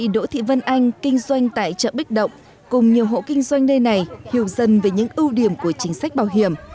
dân anh kinh doanh tại chợ bích động cùng nhiều hộ kinh doanh nơi này hiểu dần về những ưu điểm của chính sách bảo hiểm